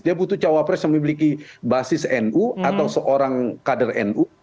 dia butuh cawapres yang memiliki basis nu atau seorang kader nu